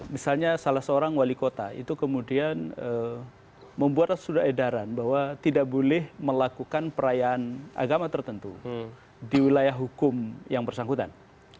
misalnya salah seorang wali kota itu kemudian membuat surat edaran bahwa tidak boleh melakukan perayaan agama tertentu di wilayah hukum yang bersangkutan